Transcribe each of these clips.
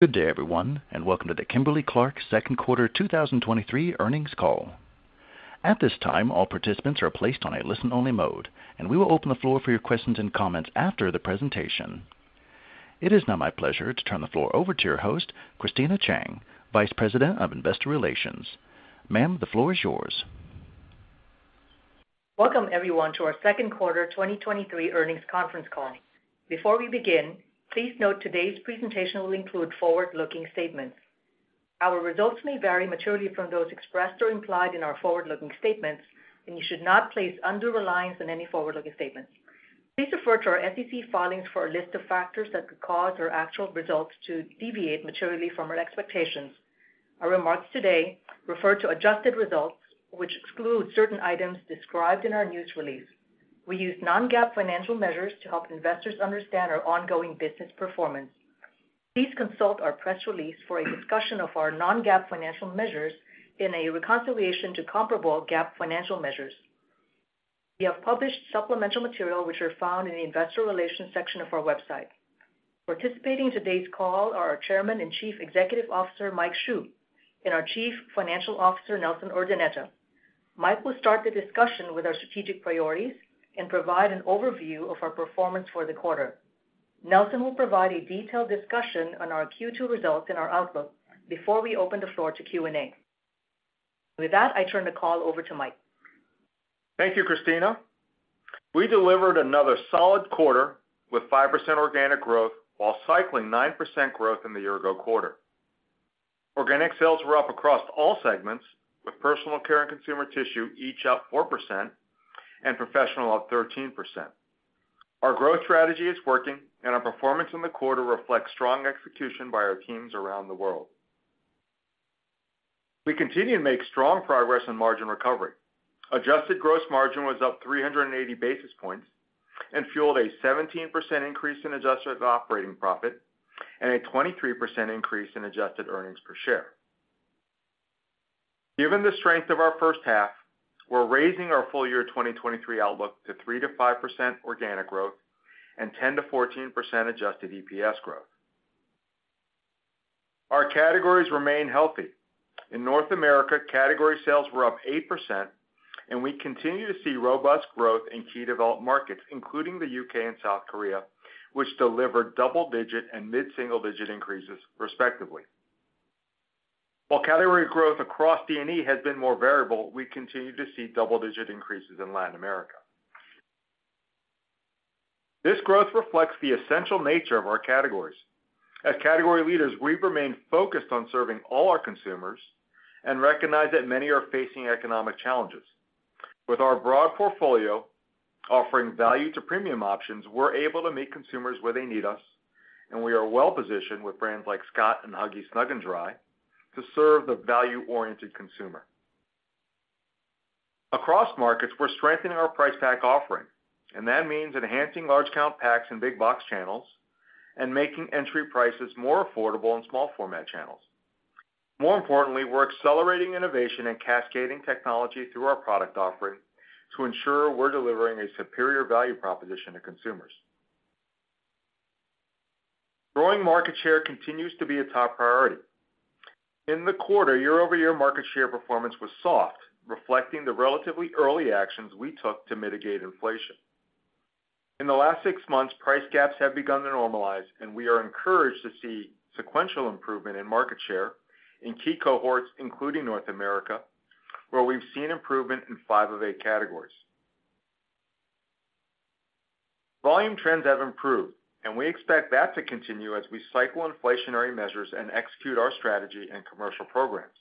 Good day, everyone, and welcome to the Kimberly-Clark Q2 2023 earnings call. At this time, all participants are placed on a listen-only mode. We will open the floor for your questions and comments after the presentation. It is now my pleasure to turn the floor over to your host, Christina Cheng, Vice President of Investor Relations. Ma'am, the floor is yours. Welcome, everyone, to our Q2 2023 earnings conference call. Before we begin, please note today's presentation will include forward-looking statements. Our results may vary materially from those expressed or implied in our forward-looking statements, and you should not place undue reliance on any forward-looking statements. Please refer to our SEC filings for a list of factors that could cause our actual results to deviate materially from our expectations. Our remarks today refer to adjusted results, which exclude certain items described in our news release. We use non-GAAP financial measures to help investors understand our ongoing business performance. Please consult our press release for a discussion of our non-GAAP financial measures in a reconciliation to comparable GAAP financial measures. We have published supplemental material, which are found in the Investor Relations section of our website. Participating in today's call are our Chairman and Chief Executive Officer, Mike Hsu, and our Chief Financial Officer, Nelson Urdaneta. Mike will start the discussion with our strategic priorities and provide an overview of our performance for the quarter. Nelson will provide a detailed discussion on our Q2 results and our outlook before we open the floor to Q&A. With that, I turn the call over to Mike. Thank you, Christina. We delivered another solid quarter with 5% organic growth while cycling 9% growth in the year-ago quarter. Organic sales were up across all segments, with personal care and consumer tissue each up 4% and professional up 13%. Our growth strategy is working, and our performance in the quarter reflects strong execution by our teams around the world. We continue to make strong progress in margin recovery. Adjusted gross margin was up 380 basis points and fueled a 17% increase in adjusted operating profit and a 23% increase in adjusted earnings per share. Given the strength of our first half, we're raising our full year 2023 outlook to 3%-5% organic growth and 10%-14% adjusted EPS growth. Our categories remain healthy. In North America, category sales were up 8%. We continue to see robust growth in key developed markets, including the U.K. and South Korea, which delivered double-digit and mid-single-digit increases respectively. While category growth across D&E has been more variable, we continue to see double-digit increases in Latin America. This growth reflects the essential nature of our categories. As category leaders, we've remained focused on serving all our consumers and recognize that many are facing economic challenges. With our broad portfolio, offering value to premium options, we're able to meet consumers where they neeus. We are well-positioned with brands like Scott and Huggies Snug & Dry to serve the value-oriented consumer. Across markets, we're strengthening our price pack offering. That means enhancing large count packs in big box channels and making entry prices more affordable in small format channels. More importantly, we're accelerating innovation and cascading technology through our product offering to ensure we're delivering a superior value proposition to consumers. Growing market share continues to be a top priority. In the quarter, year-over-year market share performance was soft, reflecting the relatively early actions we took to mitigate inflation. In the last 6 months, price gaps have begun to normalize, and we are encouraged to see sequential improvement in market share in key cohorts, including North America, where we've seen improvement in 5 of 8 categories. Volume trends have improved, and we expect that to continue as we cycle inflationary measures and execute our strategy and commercial programs.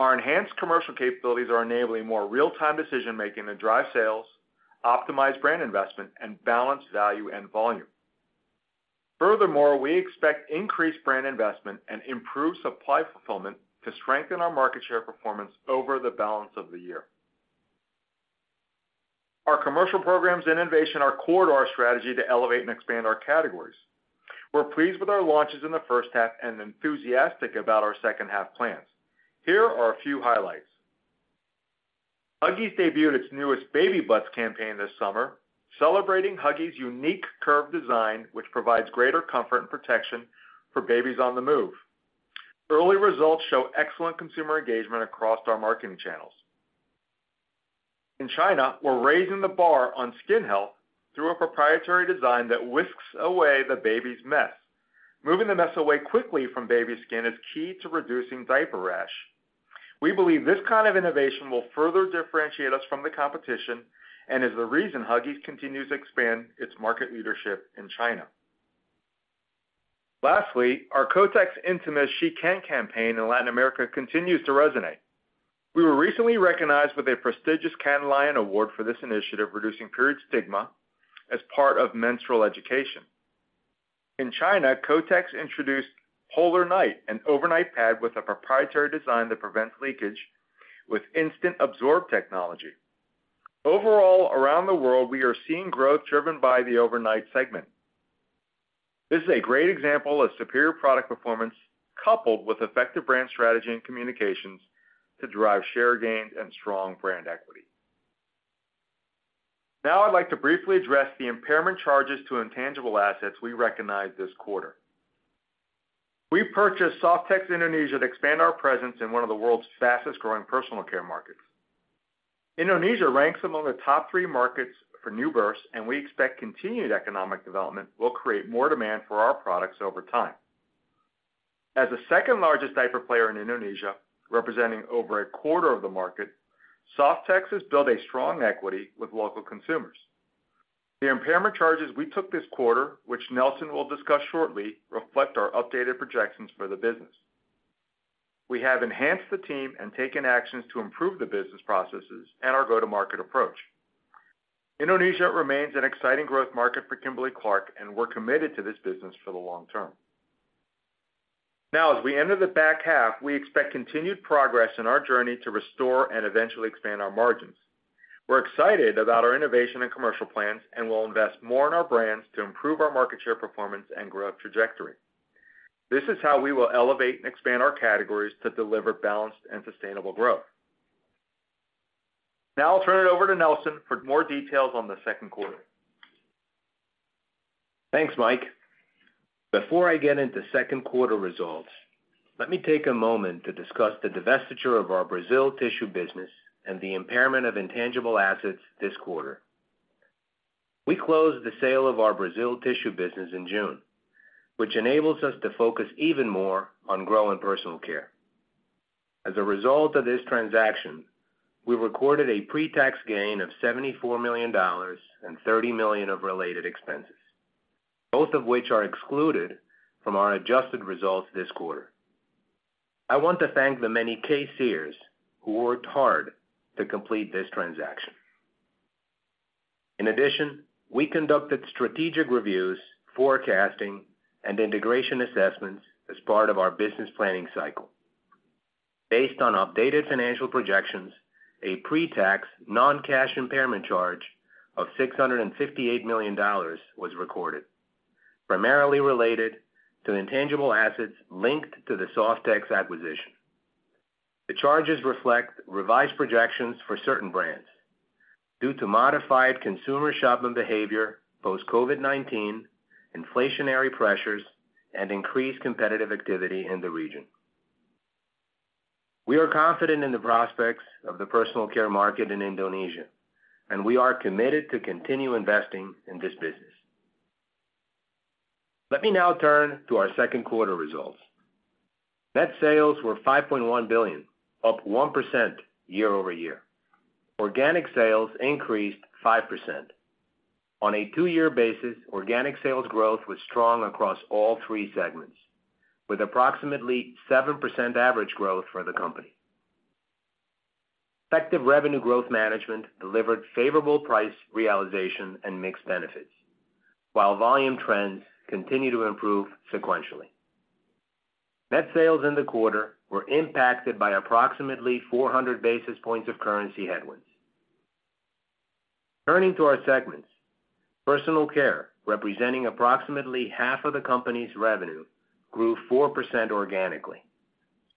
Our enhanced commercial capabilities are enabling more real-time decision-making to drive sales, optimize brand investment, and balance value and volume. We expect increased brand investment and improved supply fulfillment to strengthen our market share performance over the balance of the year. Our commercial programs and innovation are core to our strategy to elevate and expand our categories. We're pleased with our launches in the first half and enthusiastic about our second-half plans. Here are a few highlights: Huggies debuted its newest Baby Butts campaign this summer, celebrating Huggies' unique curved design, which provides greater comfort and protection for babies on the move. Early results show excellent consumer engagement across our marketing channels. In China, we're raising the bar on skin health through a proprietary design that whisks away the baby's mess. Moving the mess away quickly from baby skin is key to reducing diaper rash. We believe this kind of innovation will further differentiate us from the competition and is the reason Huggies continues to expand its market leadership in China. Lastly, our Kotex Intimus She Can campaign in Latin America continues to resonate. We were recently recognized with a prestigious Cannes Lion Award for this initiative, reducing period stigma as part of menstrual education. In China, Kotex introduced Polar Night, an overnight pad with a proprietary design that prevents leakage with instant absorb technology. Overall, around the world, we are seeing growth driven by the overnight segment. This is a great example of superior product performance, coupled with effective brand strategy and communications, to drive share gains and strong brand equity. Now, I'd like to briefly address the impairment charges to intangible assets we recognized this quarter. We purchased Softex Indonesia to expand our presence in one of the world's fastest-growing personal care markets. Indonesia ranks among the top three markets for new births, and we expect continued economic development will create more demand for our products over time. As the second-largest diaper player in Indonesia, representing over a quarter of the market, Softex has built a strong equity with local consumers. The impairment charges we took this quarter, which Nelson will discuss shortly, reflect our updated projections for the business. We have enhanced the team and taken actions to improve the business processes and our go-to-market approach. Indonesia remains an exciting growth market for Kimberly-Clark, and we're committed to this business for the long term. Now, as we enter the back half, we expect continued progress in our journey to restore and eventually expand our margins. We're excited about our innovation and commercial plans, and we'll invest more in our brands to improve our market share, performance, and growth trajectory. This is how we will elevate and expand our categories to deliver balanced and sustainable growth. Now I'll turn it over to Nelson for more details on the Q2. Thanks, Mike. Before I get into Q2 results, let me take a moment to discuss the divestiture of our Brazil tissue business and the impairment of intangible assets this quarter. We closed the sale of our Brazil tissue business in June, which enables us to focus even more on growing personal care. As a result of this transaction, we recorded a pre-tax gain of $74 million and $30 million of related expenses, both of which are excluded from our adjusted results this quarter. I want to thank the many KCers who worked hard to complete this transaction. We conducted strategic reviews, forecasting, and integration assessments as part of our business planning cycle. Based on updated financial projections, a pre-tax, non-cash impairment charge of $658 million was recorded, primarily related to the intangible assets linked to the Softex acquisition. The charges reflect revised projections for certain brands due to modified consumer shopping behavior, post-COVID-19, inflationary pressures, and increased competitive activity in the region. We are confident in the prospects of the personal care market in Indonesia, and we are committed to continue investing in this business. Let me now turn to our Q2 results. Net sales were $5.1 billion, up 1% year-over-year. Organic sales increased 5%. On a 2-year basis, organic sales growth was strong across all three segments, with approximately 7% average growth for the company. Effective revenue growth management delivered favorable price realization and mixed benefits, while volume trends continue to improve sequentially. Net sales in the quarter were impacted by approximately 400 basis points of currency headwinds. Turning to our segments, Personal Care, representing approximately half of the company's revenue, grew 4% organically,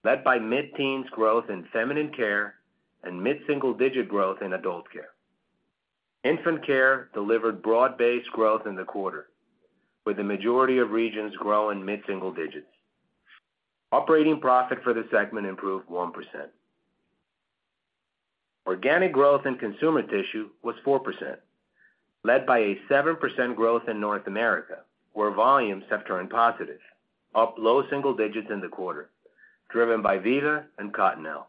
led by mid-teens growth in feminine care and mid-single-digit growth in adult care. Infant Care delivered broad-based growth in the quarter, with the majority of regions growing mid-single digits. Operating profit for the segment improved 1%. Organic growth in Consumer Tissue was 4%, led by a 7% growth in North America, where volumes have turned positive, up low single digits in the quarter, driven by Viva and Cottonelle.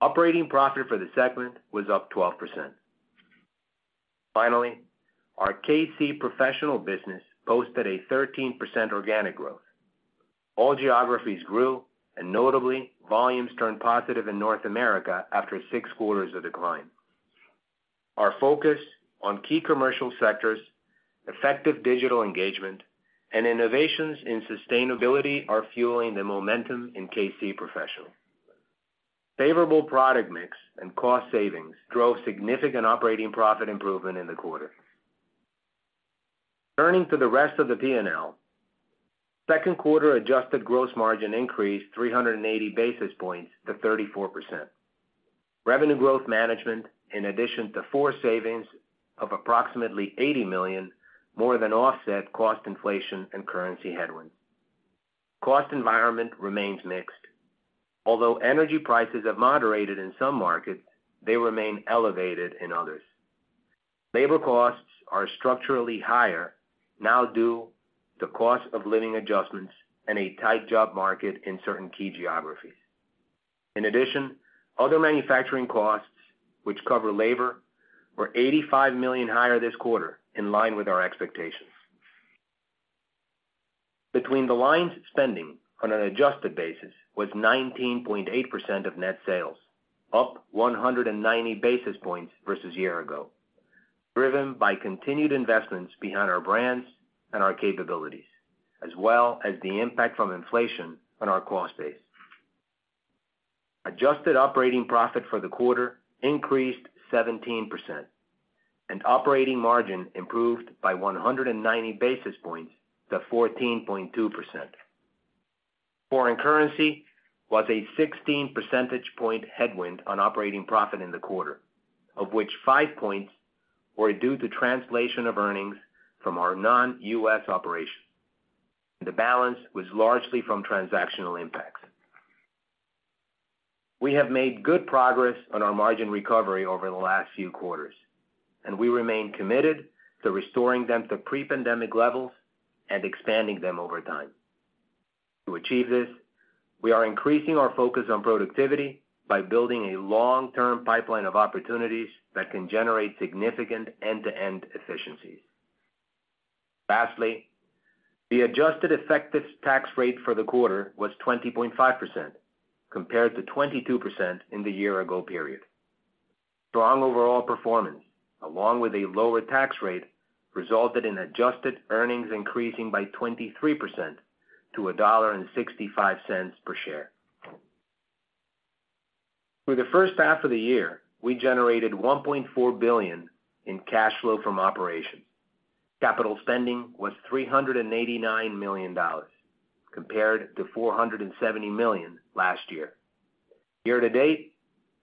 Operating profit for the segment was up 12%. Finally, our Kimberly-Clark Professional business posted a 13% organic growth. All geographies grew, and notably, volumes turned positive in North America after six quarters of decline. Our focus on key commercial sectors, effective digital engagement, and innovations in sustainability are fueling the momentum in Kimberly-Clark Professional. Favorable product mix and cost savings drove significant operating profit improvement in the quarter. Turning to the rest of the P&L, Q2 adjusted gross margin increased 380 basis points to 34%. Revenue growth management, in addition to FORCE savings of approximately $80 million, more than offset cost inflation and currency headwinds. Cost environment remains mixed. Although energy prices have moderated in some markets, they remain elevated in others. Labor costs are structurally higher, now due the cost of living adjustments and a tight job market in certain key geographies. Other manufacturing costs, which cover labor, were $85 million higher this quarter, in line with our expectations. Between the lines, spending on an adjusted basis was 19.8% of net sales, up 190 basis points versus year ago, driven by continued investments behind our brands and our capabilities, as well as the impact from inflation on our cost base. adjusted operating profit for the quarter increased 17%, and operating margin improved by 190 basis points to 14.2%. Foreign currency was a 16 percentage point headwind on operating profit in the quarter, of which 5 points were due to translation of earnings from our non-U.S. operations. The balance was largely from transactional impacts. We have made good progress on our margin recovery over the last few quarters, and we remain committed to restoring them to pre-pandemic levels and expanding them over time. To achieve this, we are increasing our focus on productivity by building a long-term pipeline of opportunities that can generate significant end-to-end efficiencies. Lastly, the adjusted effective tax rate for the quarter was 20.5%, compared to 22% in the year-ago period. Strong overall performance, along with a lower tax rate, resulted in adjusted earnings increasing by 23% to $1.65 per share. Through the h1, we generated $1.4 billion in cash flow from operations. Capital spending was $389 million, compared to $470 million last year. Year to date,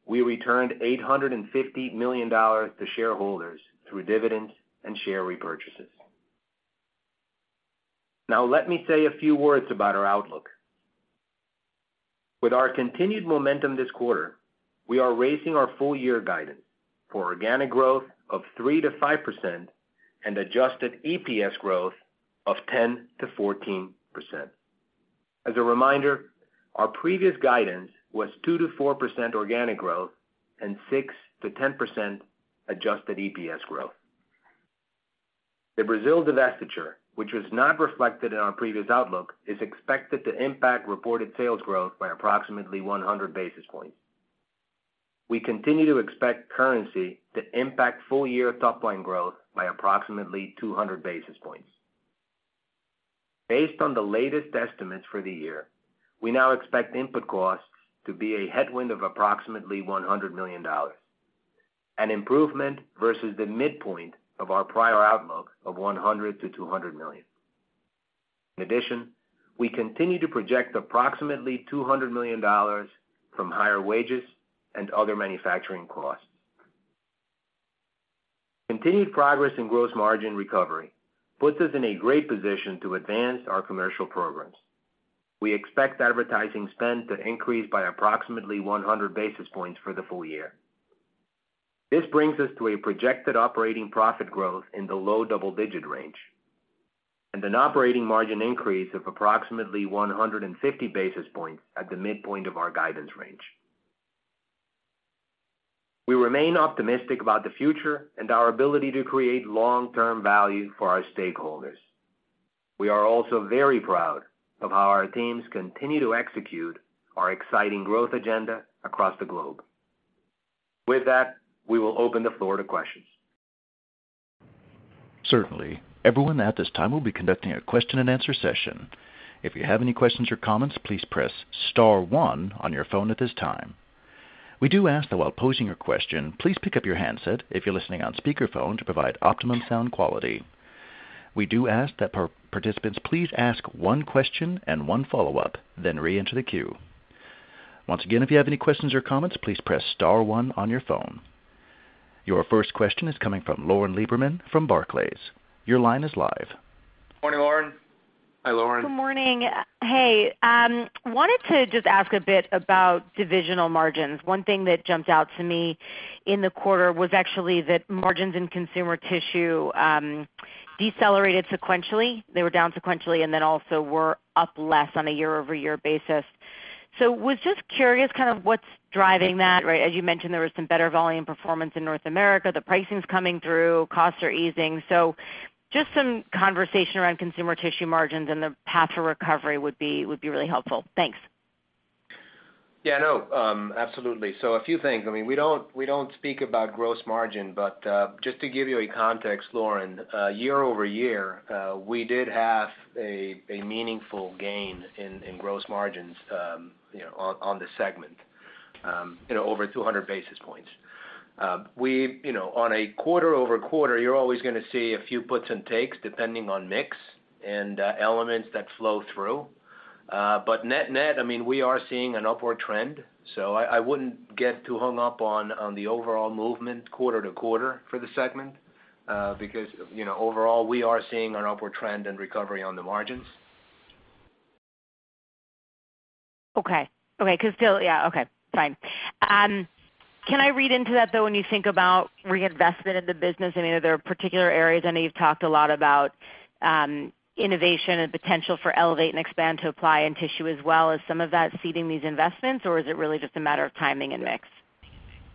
we returned $850 million to shareholders through dividends and share repurchases. Now, let me say a few words about our outlook. With our continued momentum this quarter, we are raising our full year guidance for organic growth of 3%-5% and adjusted EPS growth of 10%-14%. As a reminder, our previous guidance was 2%-4% organic growth and 6%-10% adjusted EPS growth. The Brazil divestiture, which was not reflected in our previous outlook, is expected to impact reported sales growth by approximately 100 basis points. We continue to expect currency to impact full-year top line growth by approximately 200 basis points. Based on the latest estimates for the year, we now expect input costs to be a headwind of approximately $100 million, an improvement versus the midpoint of our prior outlook of $100 million-$200 million. In addition, we continue to project approximately $200 million from higher wages and other manufacturing costs. Continued progress in gross margin recovery puts us in a great position to advance our commercial programs. We expect advertising spend to increase by approximately 100 basis points for the full year. This brings us to a projected operating profit growth in the low double-digit range, and an operating margin increase of approximately 150 basis points at the midpoint of our guidance range. We remain optimistic about the future and our ability to create long-term value for our stakeholders. We are also very proud of how our teams continue to execute our exciting growth agenda across the globe. With that, we will open the floor to questions. Certainly. Everyone at this time, we'll be conducting a question-and-answer session. If you have any questions or comments, please press star one on your phone at this time. We do ask that while posing your question, please pick up your handset if you're listening on speakerphone, to provide optimum sound quality. We do ask that participants, please ask one question and one follow-up, then reenter the queue. Once again, if you have any questions or comments, please press star one on your phone. Your first question is coming from Lauren Lieberman from Barclays. Your line is live. Morning, Lauren. Hi, Lauren. Good morning. Hey, wanted to just ask a bit about divisional margins. One thing that jumped out to me in the quarter was actually that margins in consumer tissue decelerated sequentially. They were down sequentially, and then also were up less on a year-over-year basis. Was just curious, kind of what's driving that, right? As you mentioned, there was some better volume performance in North America. The pricing's coming through, costs are easing. Just some conversation around consumer tissue margins and the path to recovery would be really helpful. Thanks. Yeah, no, absolutely. A few things. I mean, we don't speak about gross margin, but, just to give you a context, Lauren, year-over-year, we did have a meaningful gain in gross margins, you know, on the segment, you know, over 200 basis points. You know, on a quarter-over-quarter, you're always going to see a few puts and takes, depending on mix and elements that flow through. Net-net, I mean, we are seeing an upward trend, so I wouldn't get too hung up on the overall movement quarter-to-quarter for the segment, because, you know, overall, we are seeing an upward trend and recovery on the margins. Okay. Okay, 'cause still. Yeah, okay, fine. Can I read into that, though, when you think about reinvestment in the business? I know there are particular areas, I know you've talked a lot about innovation and potential for Elevate and expand to apply in tissue as well. Is some of that seeding these investments, or is it really just a matter of timing and mix?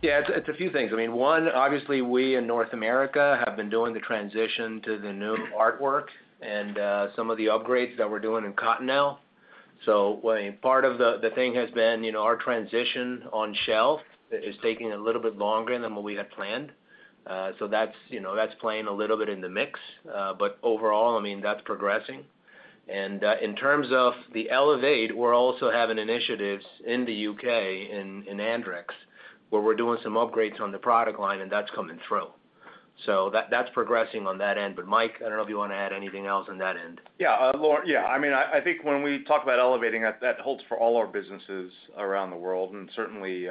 It's a few things. I mean, one, obviously, we in North America have been doing the transition to the new artwork and some of the upgrades that we're doing in Cottonelle. Part of the thing has been, you know, our transition on shelf is taking a little bit longer than what we had planned. That's, you know, that's playing a little bit in the mix, but overall, I mean, that's progressing. In terms of the Elevate, we're also having initiatives in the UK, in Andrex, where we're doing some upgrades on the product line, and that's coming through. That's progressing on that end. Mike, I don't know if you want to add anything else on that end. Yeah, Lauren, yeah, I mean, I think when we talk about elevating, that holds for all our businesses around the world. Certainly,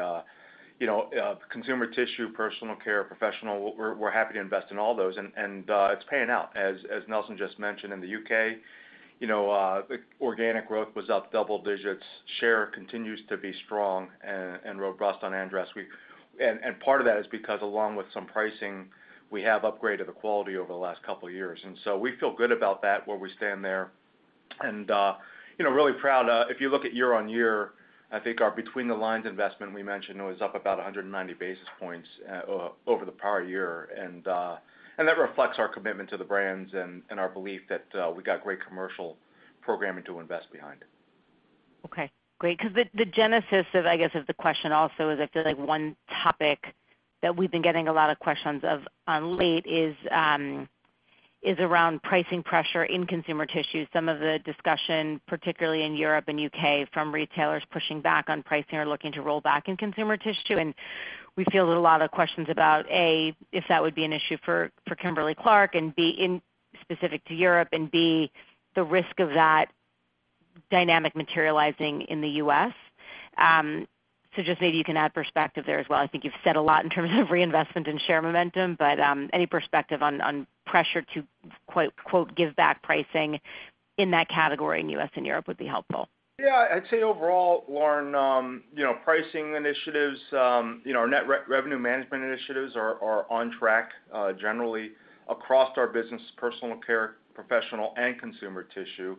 you know, consumer tissue, personal care, professional, we're happy to invest in all those, it's paying out. As Nelson just mentioned, in the U.K., you know, organic growth was up double digits. Share continues to be strong and robust on Andrex. And part of that is because along with some pricing, we have upgraded the quality over the last couple of years, we feel good about that, where we stand there. Really proud, you know, if you look at year-over-year, I think our between the lines investment we mentioned was up about 190 basis points over the prior year. That reflects our commitment to the brands and our belief that we've got great commercial programming to invest behind it. Okay, great. 'Cause the genesis of, I guess, of the question also is, I feel like one topic that we've been getting a lot of questions of on late is around pricing pressure in consumer tissue. Some of the discussion, particularly in Europe and U.K., from retailers pushing back on pricing or looking to roll back in consumer tissue. We field a lot of questions about, A, if that would be an issue for Kimberly-Clark, and B, in specific to Europe, and B, the risk of that dynamic materializing in the U.S. Just maybe you can add perspective there as well. I think you've said a lot in terms of reinvestment in share momentum, but any perspective on pressure to, quote, "give back pricing" in that category in U.S. and Europe would be helpful. Yeah, I'd say overall, Lauren, you know, pricing initiatives, you know, our net revenue management initiatives are on track, generally across our business, personal care, professional, and consumer tissue.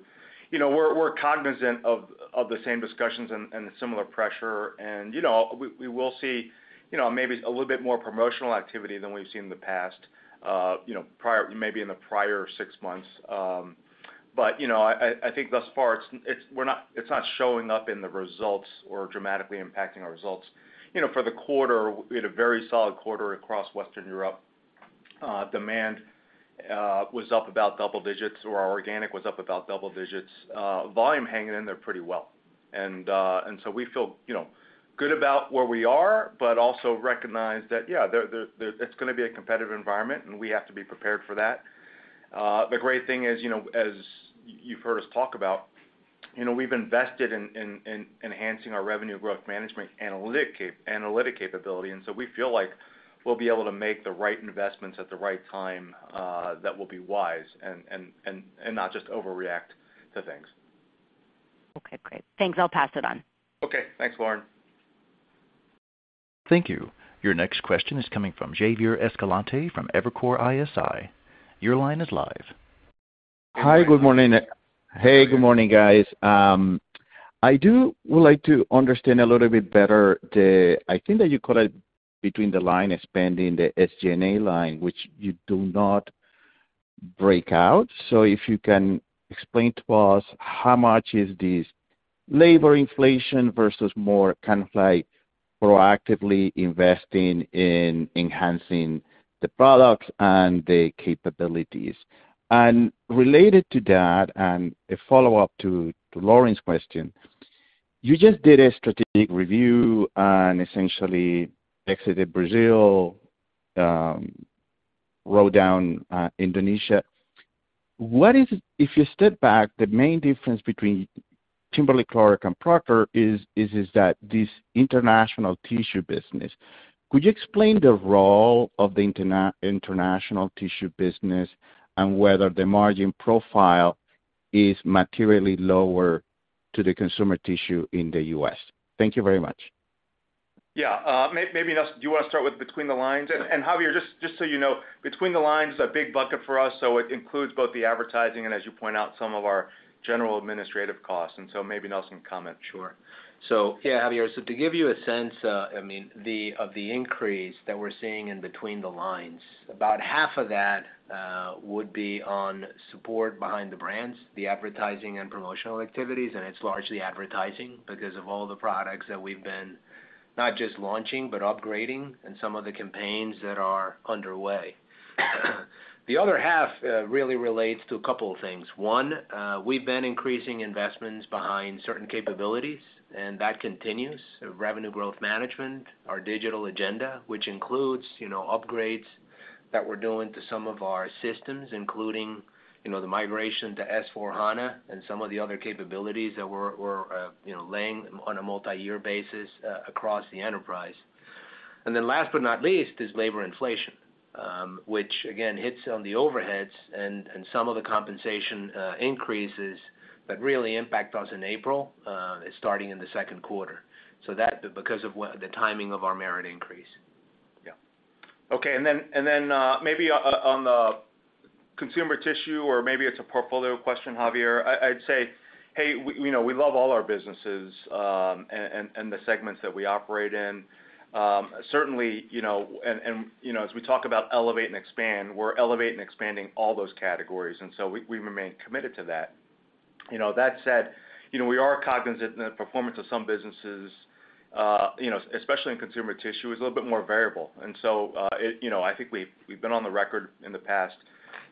You know, we're cognizant of the same discussions and the similar pressure. You know, we will see, you know, maybe a little bit more promotional activity than we've seen in the past, you know, maybe in the prior six months. You know, I think thus far, it's not showing up in the results or dramatically impacting our results. You know, for the quarter, we had a very solid quarter across Western Europe. Demand was up about double digits, or our organic was up about double digits. Volume hanging in there pretty well. We feel, you know, good about where we are, but also recognize that it's going to be a competitive environment, and we have to be prepared for that. The great thing is, you know, as you've heard us talk about, you know, we've invested in enhancing our revenue growth management analytic capability, we feel like we'll be able to make the right investments at the right time that will be wise and not just overreact to things. Okay, great. Thanks. I'll pass it on. Okay. Thanks, Lauren. Thank you. Your next question is coming from Javier Escalante, from Evercore ISI. Your line is live. Hi, good morning. Hey, good morning, guys. I do would like to understand a little bit better the I think that you call it between the lines expanding the SG&A line, which you do not break out. If you can explain to us, how much is this labor inflation versus more kind of like proactively investing in enhancing the products and the capabilities? Related to that, and a follow-up to Lauren's question, you just did a strategic review and essentially exited Brazil, wrote down Indonesia. What is, if you step back, the main difference between Kimberly-Clark and Procter is that this international tissue business. Could you explain the role of the international tissue business and whether the margin profile is materially lower to the consumer tissue in the U.S.? Thank you very much. Yeah, maybe, Nelson, do you want to start with between the lines? Javier, just so you know, between the lines is a big bucket for us, so it includes both the advertising and, as you point out, some of our general administrative costs. Maybe Nelson can comment. Sure. Yeah, Javier, I mean, of the increase that we're seeing in between the lines, about half of that would be on support behind the brands, the advertising and promotional activities, and it's largely advertising because of all the products that we've been not just launching but upgrading and some of the campaigns that are underway. The other half really relates to a couple of things. One, we've been increasing investments behind certain capabilities, and that continues. Revenue growth management, our digital agenda, which includes, you know, upgrades that we're doing to some of our systems, including, you know, the migration to S/4HANA and some of the other capabilities that we're laying on a multi-year basis across the enterprise. Last but not least, is labor inflation, which again, hits on the overheads and some of the compensation increases, but really impact us in April, starting in the Q2. That, because of the timing of our merit increase. Yeah. Okay, on the consumer tissue, or maybe it's a portfolio question, Javier, I'd say, hey, we, you know, we love all our businesses, and the segments that we operate in. Certainly, you know, and, you know, as we talk about elevate and expand, we're elevating and expanding all those categories, we remain committed to that. You know, that said, you know, we are cognizant that the performance of some businesses, you know, especially in consumer tissue, is a little bit more variable. You know, I think we've been on the record in the past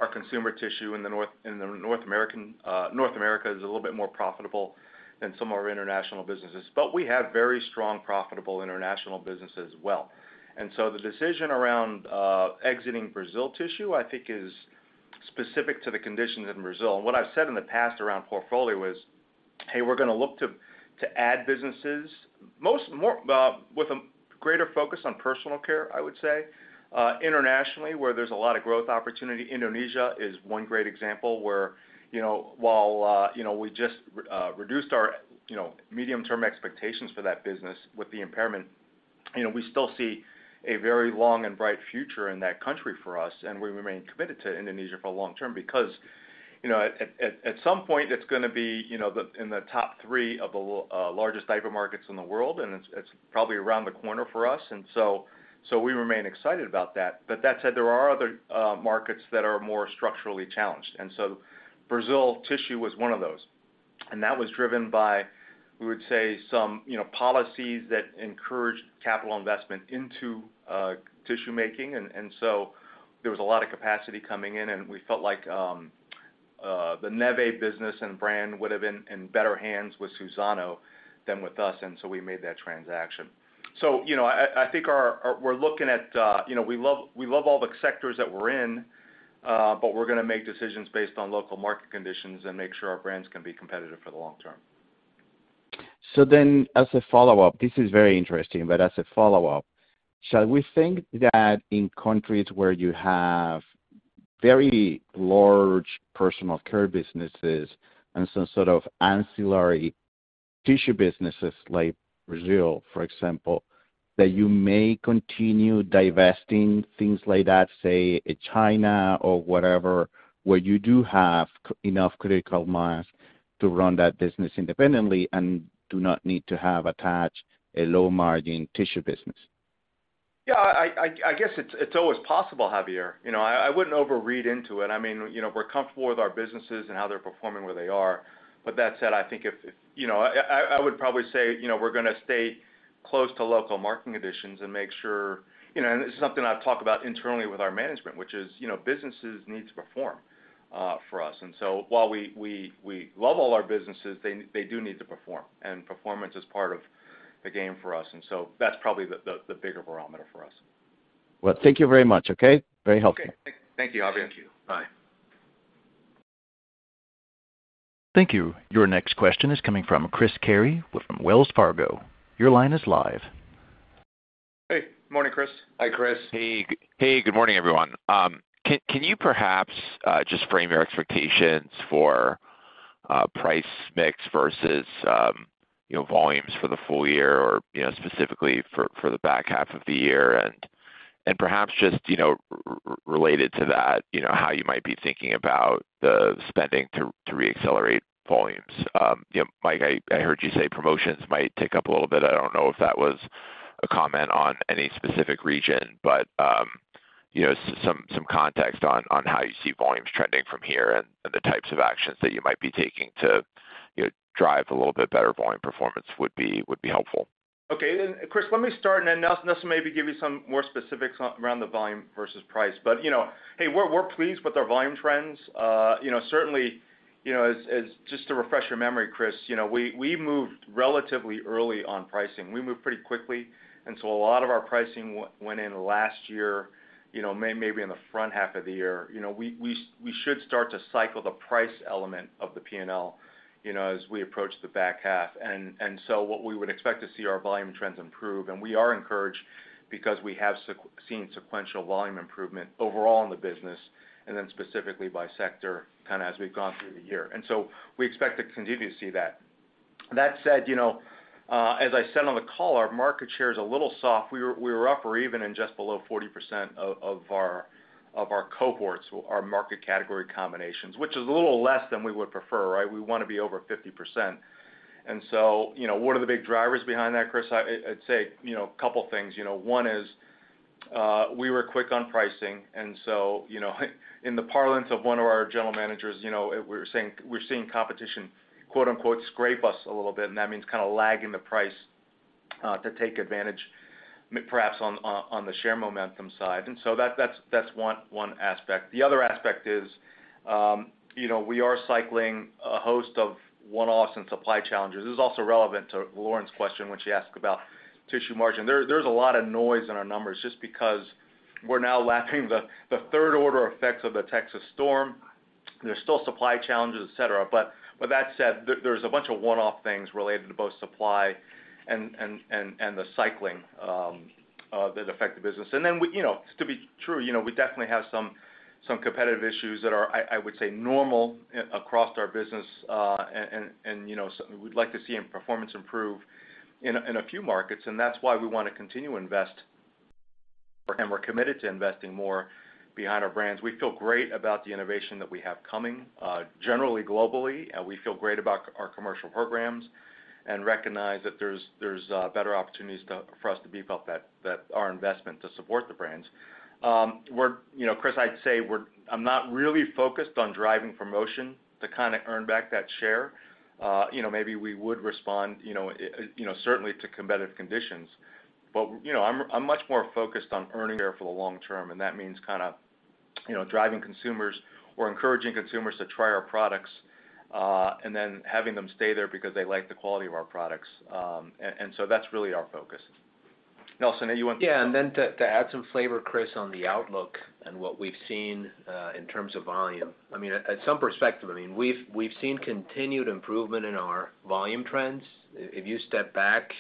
our consumer tissue in the North American North America is a little bit more profitable than some of our international businesses, but we have very strong, profitable international business as well. The decision around exiting Brazil tissue, I think, is specific to the conditions in Brazil. What I've said in the past around portfolio is, hey, we're going to look to add businesses, more with a greater focus on personal care, I would say, internationally, where there's a lot of growth opportunity. Indonesia is one great example where, you know, while, you know, we just reduced our, you know, medium-term expectations for that business with the impairment, you know, we still see a very long and bright future in that country for us, and we remain committed to Indonesia for the long term. You know, at some point, it's going to be, you know, in the top three of the largest diaper markets in the world, and it's probably around the corner for us. We remain excited about that. That said, there are other markets that are more structurally challenged. Brazil tissue was one of those. That was driven by, we would say, some, you know, policies that encouraged capital investment into tissue making. There was a lot of capacity coming in, and we felt like the Neve business and brand would have been in better hands with Suzano than with us. We made that transaction. You know, I think our... We're looking at, you know, we love all the sectors that we're in, but we're going to make decisions based on local market conditions and make sure our brands can be competitive for the long term. As a follow-up, this is very interesting, but as a follow-up, shall we think that in countries where you have very large personal care businesses and some sort of ancillary tissue businesses, like Brazil, for example, that you may continue divesting things like that, say, in China or whatever, where you do have enough critical mass to run that business independently and do not need to have attached a low-margin tissue business? Yeah, I guess it's always possible, Javier. You know, I wouldn't overread into it. I mean, you know, we're comfortable with our businesses and how they're performing, where they are. That said, I think if... You know, I would probably say, you know, we're going to stay close to local marketing conditions and make sure, you know, and this is something I've talked about internally with our management, which is, you know, businesses need to perform for us. While we love all our businesses, they do need to perform, and performance is part of the game for us. That's probably the bigger barometer for us. Well, thank you very much, okay? Very helpful. Okay. Thank you, Javier. Thank you. Bye. Thank you. Your next question is coming from Chris Carey with Wells Fargo. Your line is live. Hey, morning, Chris. Hi, Chris. Hey, good morning, everyone. Can you perhaps just frame your expectations for price mix versus, you know, volumes for the full year or, you know, specifically for the back half of the year? And perhaps just, you know, related to that, you know, how you might be thinking about the spending to reaccelerate volumes. You know, Mike, I heard you say promotions might tick up a little bit. I don't know if that was a comment on any specific region, but, you know, some context on how you see volumes trending from here and the types of actions that you might be taking to, you know, drive a little bit better volume performance would be helpful. Okay. Chris, let me start, and then Nelson may give you some more specifics around the volume versus price. You know, we're pleased with our volume trends. You know, certainly, you know, as just to refresh your memory, Chris, you know, we moved relatively early on pricing. We moved pretty quickly, and so a lot of our pricing went in last year, you know, maybe in the front half of the year. You know, we should start to cycle the price element of the P&L, you know, as we approach the back half. What we would expect to see our volume trends improve, and we are encouraged because we have seen sequential volume improvement overall in the business, and then specifically by sector, kind of as we've gone through the year. We expect to continue to see that. That said, you know, as I said on the call, our market share is a little soft. We were up, or even, and just below 40% of our cohorts, our market category combinations, which is a little less than we would prefer, right? We want to be over 50%. What are the big drivers behind that, Chris? I'd say, you know, a couple of things. You know, one is, we were quick on pricing, and so, you know, in the parlance of one of our general managers, you know, we're seeing competition, quote, unquote, scrape us a little bit, and that means kind of lagging the price to take advantage perhaps on the share momentum side. That's one aspect. The other aspect is, you know, we are cycling a host of one-offs and supply challenges. This is also relevant to Lauren's question when she asked about tissue margin. There's a lot of noise in our numbers just because we're now lacking the third order effects of the Texas storm. There's still supply challenges, et cetera. With that said, there's a bunch of one-off things related to both supply and the cycling that affect the business. Then, we, you know, to be true, you know, we definitely have some competitive issues that are, I would say, normal across our business, and, you know, so we'd like to see performance improve in a few markets, and that's why we want to continue to invest, and we're committed to investing more behind our brands. We feel great about the innovation that we have coming, generally, globally, and we feel great about our commercial programs and recognize that there's better opportunities for us to beef up that our investment to support the brands. You know, Chris, I'd say I'm not really focused on driving promotion to kind of earn back that share. You know, maybe we would respond, you know, you know, certainly to competitive conditions. You know, I'm much more focused on earning share for the long term, and that means kind of, you know, driving consumers or encouraging consumers to try our products, and then having them stay there because they like the quality of our products. That's really our focus. Nelson, you want... To add some flavor, Chris, on the outlook and what we've seen in terms of volume. I mean, at some perspective, I mean, we've seen continued improvement in our volume trends. If you step back,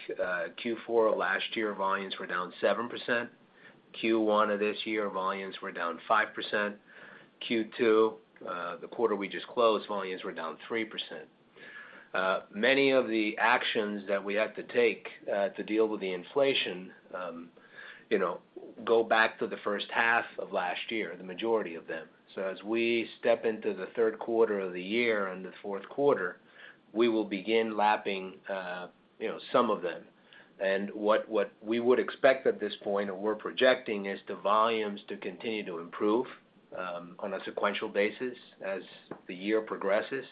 Q4 of last year, volumes were down 7%. Q1 of this year, volumes were down 5%. Q2, the quarter we just closed, volumes were down 3%. Many of the actions that we have to take to deal with the inflation, you know, go back to the first half of last year, the majority of them. As we step into the Q3 of the year and the Q4, we will begin lapping, you know, some of them. What we would expect at this point, or we're projecting, is the volumes to continue to improve on a sequential basis as the year progresses,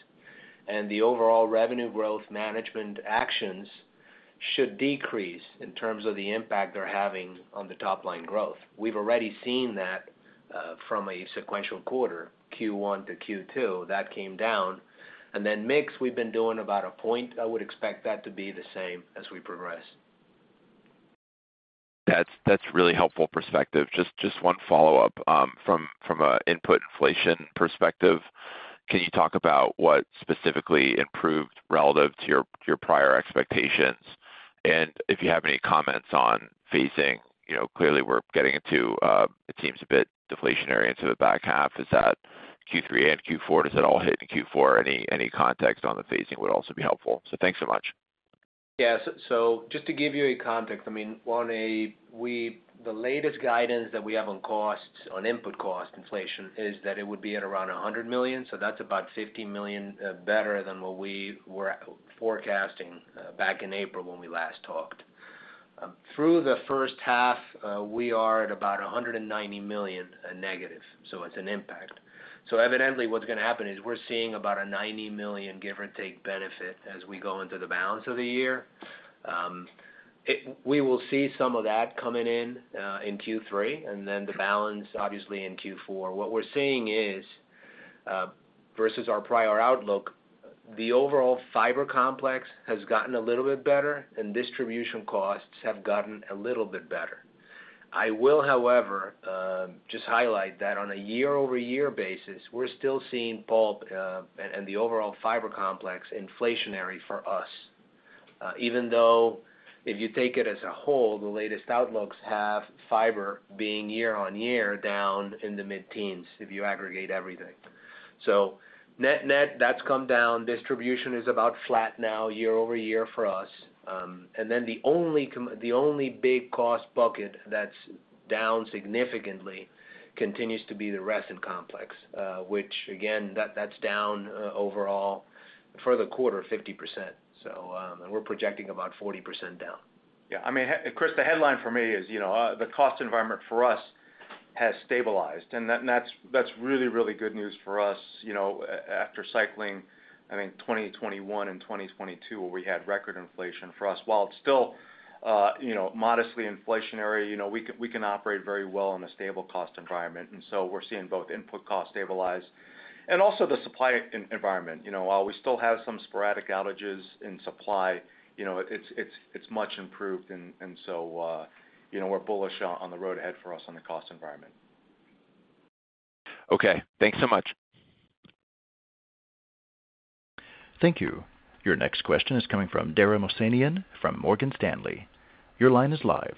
and the overall revenue growth management actions should decrease in terms of the impact they're having on the top-line growth. We've already seen that from a sequential quarter, Q1 to Q2, that came down. Then mix, we've been doing about a point. I would expect that to be the same as we progress. That's really helpful perspective. Just one follow-up, from a input inflation perspective, can you talk about what specifically improved relative to your prior expectations? If you have any comments on phasing, you know, clearly we're getting into, it seems a bit deflationary into the back half. Is that Q3 and Q4? Does it all hit in Q4? Any context on the phasing would also be helpful. Thanks so much. Just to give you a context, I mean, the latest guidance that we have on costs, on input cost inflation, is that it would be at around $100 million, so that's about $50 million better than what we were forecasting back in April when we last talked. Through the first half, we are at about $190 million negative, it's an impact. Evidently, what's going to happen is we're seeing about a $90 million, give or take, benefit as we go into the balance of the year. We will see some of that coming in in Q3, the balance, obviously, in Q4. What we're seeing is, versus our prior outlook, the overall fiber complex has gotten a little bit better, distribution costs have gotten a little bit better. I will, however, just highlight that on a year-over-year basis, we're still seeing pulp and the overall fiber complex inflationary for us. Even though, if you take it as a whole, the latest outlooks have fiber being year-on-year, down in the mid-teens, if you aggregate everything. Net-net, that's come down. Distribution is about flat now, year-over-year for us. The only big cost bucket that's down significantly continues to be the resin complex, which again, that's down overall for the quarter, 50%. We're projecting about 40% down. Yeah, I mean, Chris, the headline for me is, you know, the cost environment for us has stabilized, that's really, really good news for us. You know, after cycling, I think, 2021 and 2022, where we had record inflation for us. While it's still, you know, modestly inflationary, you know, we can operate very well in a stable cost environment, we're seeing both input costs stabilize and also the supply environment. You know, while we still have some sporadic outages in supply, you know, it's much improved, we're bullish on the road ahead for us on the cost environment. Okay, thanks so much. Thank you. Your next question is coming from Dara Mohsenian from Morgan Stanley. Your line is live.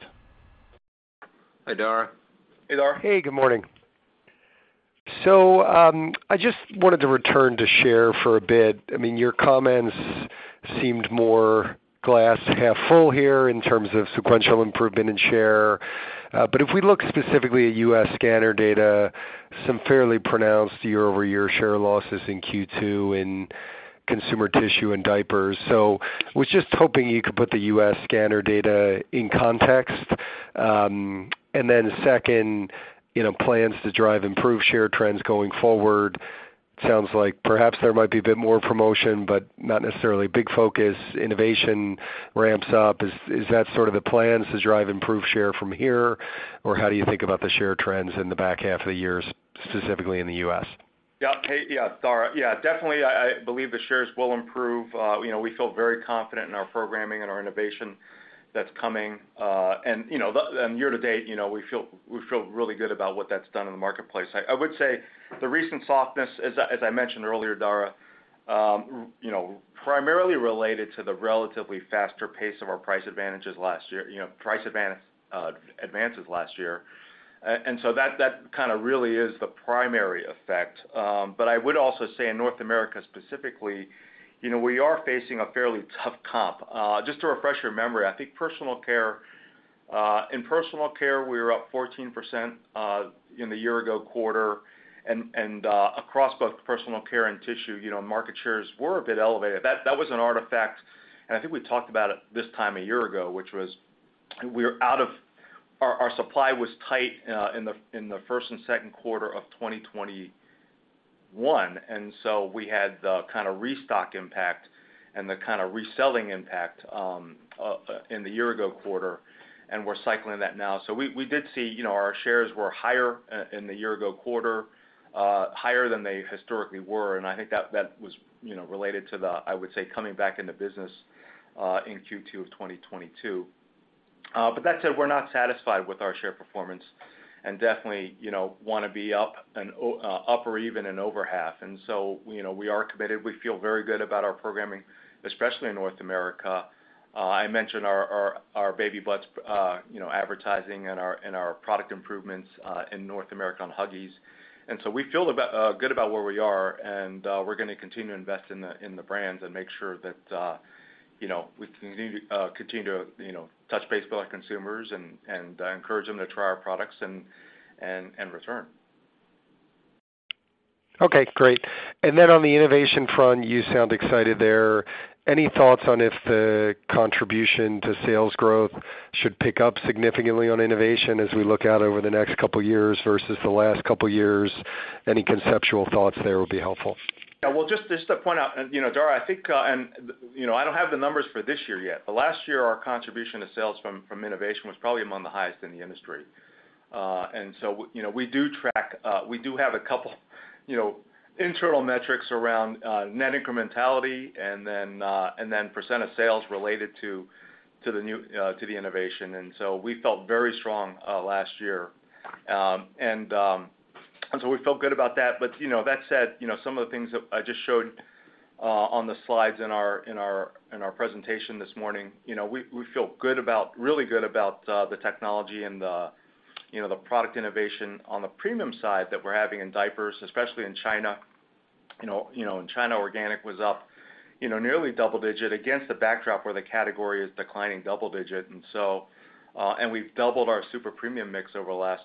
Hi, Dara. Hey, Dara. Hey, good morning. I just wanted to return to share for a bit. I mean, your comments seemed more glass half full here in terms of sequential improvement in share. If we look specifically at U.S. scanner data, some fairly pronounced year-over-year share losses in Q2 in consumer tissue and diapers. was just hoping you could put the U.S. scanner data in context. Second, you know, plans to drive improved share trends going forward. Sounds like perhaps there might be a bit more promotion, but not necessarily a big focus. Innovation ramps up. Is that sort of the plan to drive improved share from here, or how do you think about the share trends in the back half of the years, specifically in the U.S.? Hey. Dara. Definitely, I believe the shares will improve. You know, we feel very confident in our programming and our innovation that's coming. You know, year to date, you know, we feel really good about what that's done in the marketplace. I would say the recent softness, as I mentioned earlier, Dara, you know, primarily related to the relatively faster pace of our price advantages last year, you know, advances last year. That, that kind of really is the primary effect. I would also say in North America, specifically, you know, we are facing a fairly tough comp. Just to refresh your memory, I think personal care, in personal care, we were up 14%, in the year-ago quarter, and across both personal care and tissue, you know, market shares were a bit elevated. That was an artifact, and I think we talked about it this time a year ago, which was our supply was tight, in the first and Q2 of 2021. We had the kind of restock impact and the kind of reselling impact, in the year-ago quarter, and we're cycling that now. We did see, you know, our shares were higher in the year-ago quarter, higher than they historically were, and I think that was, you know, related to the, I would say, coming back into business in Q2 of 2022. But that said, we're not satisfied with our share performance and definitely, you know, want to be up and up or even in over half. You know, we are committed. We feel very good about our programming, especially in North America. I mentioned our Baby Butts, you know, advertising and our product improvements in North America on Huggies. We feel good about where we are, and we're going to continue to invest in the brands and make sure that, you know, we continue to, you know, touch base with our consumers and encourage them to try our products and return. Okay, great. Then on the innovation front, you sound excited there. Any thoughts on if the contribution to sales growth should pick up significantly on innovation as we look out over the next couple years versus the last couple years? Any conceptual thoughts there would be helpful. Yeah, well, just to point out, you know, Dara, I think, you know, I don't have the numbers for this year yet. Last year, our contribution to sales from innovation was probably among the highest in the industry. You know, we do have a couple, you know, internal metrics around net incrementality and then % of sales related to the new to the innovation, and so we felt very strong last year. We feel good about that, but, you know, that said, you know, some of the things that I just showed on the slides in our presentation this morning, you know, we feel really good about the technology and the, you know, the product innovation on the premium side that we're having in diapers, especially in China. You know, in China, organic was up, you know, nearly double-digit against the backdrop where the category is declining double-digit. We've doubled our super premium mix over the last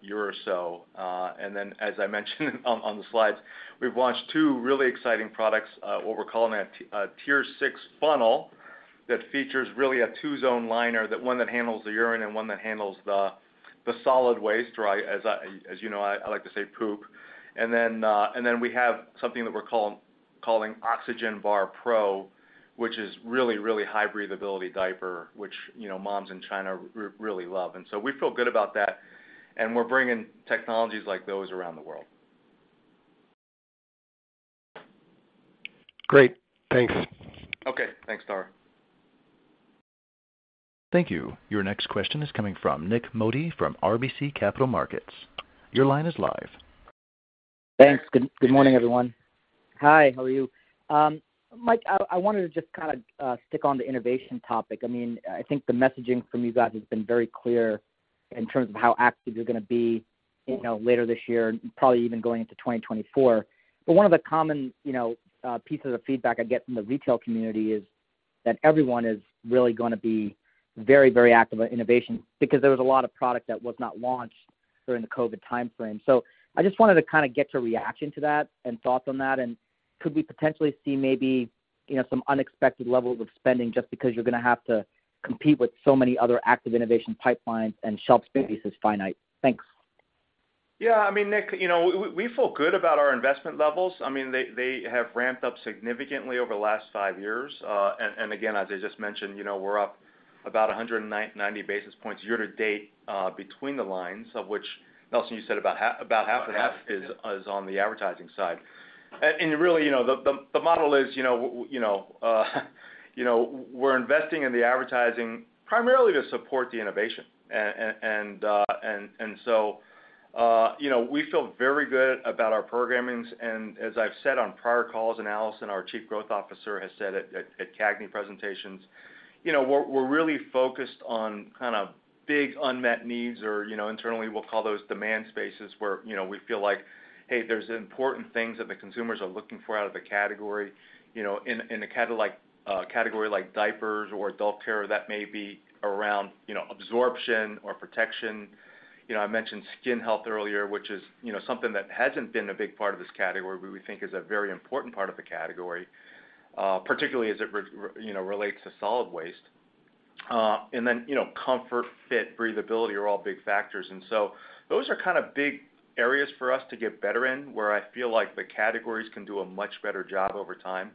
year or so. As I mentioned on the slides, we've launched two really exciting products, what we're calling a Tier Six Funnel, that features really a two-zone liner, one that handles the urine and one that handles the solid waste, or as you know, I like to say, poop. We have something that we're calling OxygenBar Pro, which is really high breathability diaper, which, you know, moms in China really love. We feel good about that, and we're bringing technologies like those around the world. Great. Thanks. Okay. Thanks, Dara. Thank you. Your next question is coming from Nik Modi, from RBC Capital Markets. Your line is live. Thanks. Good morning, everyone. Hi, how are you? Mike, I wanted to just kind of stick on the innovation topic. I mean, I think the messaging from you guys has been very clear in terms of how active you're going to be, you know, later this year, and probably even going into 2024. One of the common, you know, pieces of feedback I get from the retail community is that everyone is really going to be very, very active about innovation because there was a lot of product that was not launched during the COVID timeframe. I just wanted to kind of get your reaction to that and thoughts on that, and could we potentially see maybe, you know, some unexpected levels of spending just because you're going to have to compete with so many other active innovation pipelines and shelf space is finite? Thanks. I mean, Nik, you know, we feel good about our investment levels. I mean, they have ramped up significantly over the last five years. Again, as I just mentioned, you know, we're up about 190 basis points year to date, between the lines, of which, Nelson, you said about half and half. About half is on the advertising side. Really, you know, the model is, you know, we're investing in the advertising primarily to support the innovation. You know, we feel very good about our programming, and as I've said on prior calls, and Alison, our Chief Growth Officer, has said at CAGNY presentations, you know, we're really focused on kind of big unmet needs or, you know, internally, we'll call those demand spaces, where, you know, we feel like: Hey, there's important things that the consumers are looking for out of the category. You know, in a category like diapers or adult care, that may be around, you know, absorption or protection. You know, I mentioned skin health earlier, which is, you know, something that hasn't been a big part of this category, but we think is a very important part of the category, particularly as it, you know, relates to solid waste. Then, you know, comfort, fit, breathability are all big factors. Those are kind of big areas for us to get better in, where I feel like the categories can do a much better job over time.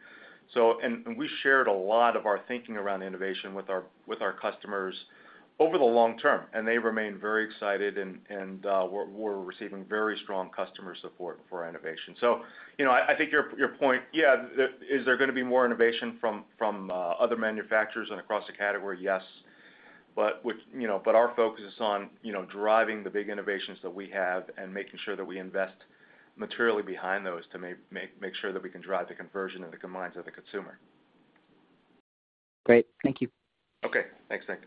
We shared a lot of our thinking around innovation with our customers over the long term, they remain very excited, we're receiving very strong customer support for innovation. You know, I think your point, yeah. Is there going to be more innovation from other manufacturers and across the category? Yes. With, you know, but our focus is on, you know, driving the big innovations that we have and making sure that we invest materially behind those to make sure that we can drive the conversion and the combines of the consumer. Great. Thank you. Okay. Thanks, Nick.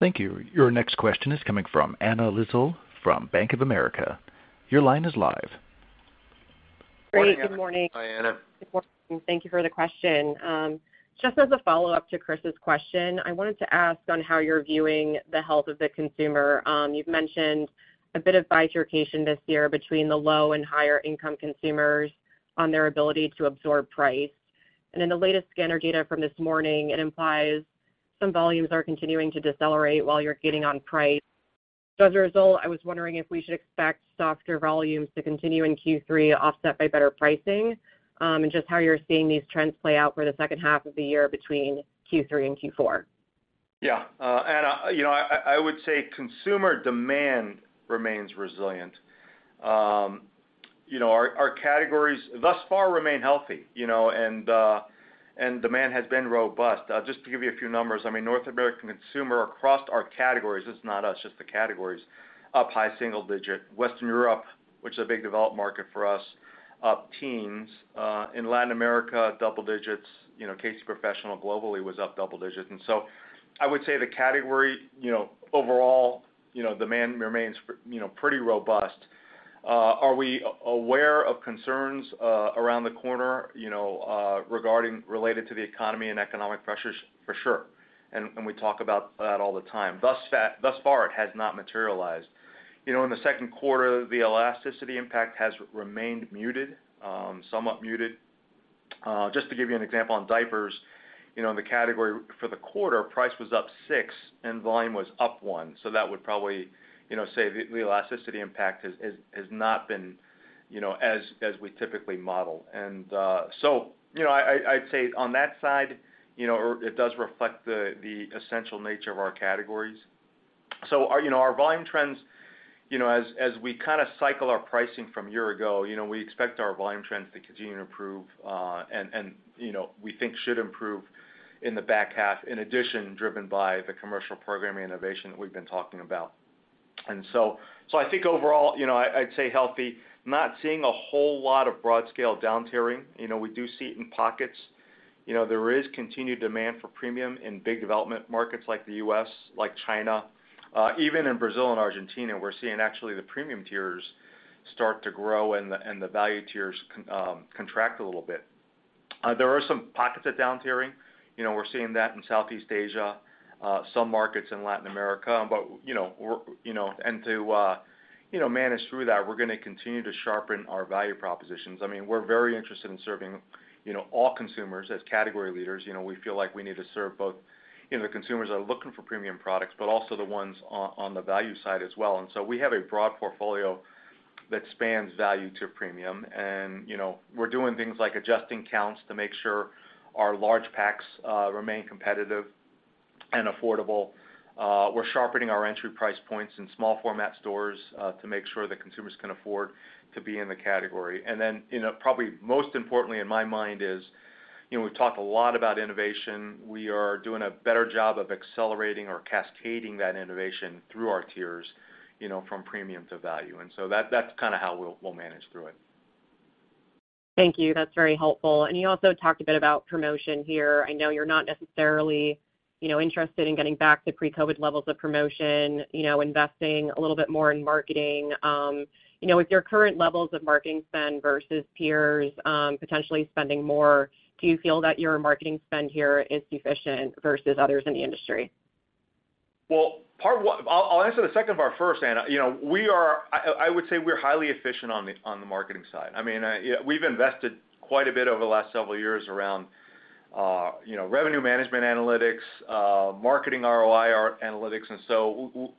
Thank you. Your next question is coming from Anna Lizzul, from Bank of America. Your line is live. Good morning, Anna. Hi, Anna. Good morning, and thank you for the question. Just as a follow-up to Chris' question, I wanted to ask on how you're viewing the health of the consumer. You've mentioned a bit of bifurcation this year between the low and higher income consumers on their ability to absorb price. In the latest scanner data from this morning, it implies some volumes are continuing to decelerate while you're getting on price. As a result, I was wondering if we should expect softer volumes to continue in Q3, offset by better pricing, and just how you're seeing these trends play out for the h2 between Q3 and Q4. Yeah, Anna, you know, I would say consumer demand remains resilient. You know, our categories, thus far, remain healthy, you know, and demand has been robust. Just to give you a few numbers, I mean, North American consumer across our categories, it's not us, just the categories, up high single-digit. Western Europe, which is a big developed market for us, up teens, in Latin America, double digits. You know, Kimberly-Clark Professional globally was up double digits. I would say the category, you know, overall, you know, demand remains, you know, pretty robust. Are we aware of concerns, around the corner, you know, regarding related to the economy and economic pressures? For sure, and we talk about that all the time. Thus far, it has not materialized. You know, in the Q2, the elasticity impact has remained muted, somewhat muted. Just to give you an example, on diapers, you know, in the category for the quarter, price was up 6%, and volume was up 1%, so that would probably, you know, say the elasticity impact has not been, you know, as we typically model. So, you know, I'd say on that side, you know, it does reflect the essential nature of our categories. Our, you know, our volume trends, you know, as we kind of cycle our pricing from year ago, you know, we expect our volume trends to continue to improve, and, you know, we think should improve in the back half, in addition, driven by the commercial program innovation that we've been talking about. I think overall, you know, I'd say healthy. Not seeing a whole lot of broad-scale downtiering. You know, we do see it in pockets. You know, there is continued demand for premium in big development markets like the U.S., like China, even in Brazil and Argentina, we're seeing actually the premium tiers start to grow and the value tiers contract a little bit. There are some pockets of downtiering. You know, we're seeing that in Southeast Asia, some markets in Latin America. You know, and to, you know, manage through that, we're going to continue to sharpen our value propositions. I mean, we're very interested in serving, you know, all consumers as category leaders. You know, we feel like we need to serve both, you know, the consumers that are looking for premium products, but also the ones on the value side as well. We have a broad portfolio that spans value to premium, and, you know, we're doing things like adjusting counts to make sure our large packs remain competitive and affordable. We're sharpening our entry price points in small format stores to make sure that consumers can afford to be in the category. Probably most importantly in my mind is, you know, we've talked a lot about innovation. We are doing a better job of accelerating or cascading that innovation through our tiers, you know, from premium to value, that's kind of how we'll manage through it. Thank you. That's very helpful. You also talked a bit about promotion here. I know you're not necessarily, you know, interested in getting back to pre-COVID levels of promotion, you know, investing a little bit more in marketing. You know, with your current levels of marketing spend versus peers, potentially spending more, do you feel that your marketing spend here is efficient versus others in the industry? Well, part one, I'll answer the second part first, Anna. You know, we are. I would say we're highly efficient on the marketing side. I mean, yeah, we've invested quite a bit over the last several years around, you know, revenue management analytics, marketing ROI, our analytics,